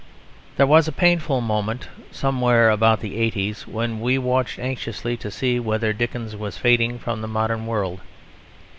There was a painful moment (somewhere about the eighties) when we watched anxiously to see whether Dickens was fading from the modern world.